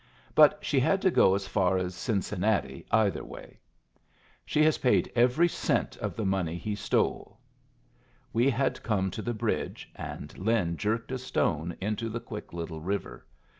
But she had to go as far as Cincinnati, either way. She has paid every cent of the money he stole." We had come to the bridge, and Lin jerked a stone into the quick little river.